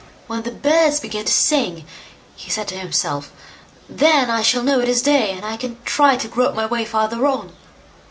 "When the birds begin to sing", he said to himself, "then I shall know it is day, and I can try to grope my way farther on."